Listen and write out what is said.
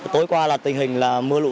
tối qua là tình hình là mưa lũ